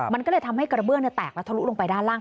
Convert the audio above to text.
มันก็เลยทำให้กระเบื้องแตกและทะลุลงไปด้านล่าง